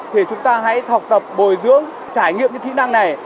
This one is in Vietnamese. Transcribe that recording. thì chúng ta hãy học tập bồi dưỡng trải nghiệm những kỹ năng này